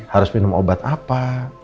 harus minum obat apa